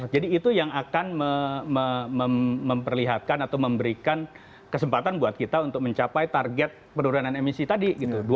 jadi itu yang akan memperlihatkan atau memberikan kesempatan buat kita untuk mencapai target penurunan emisi tadi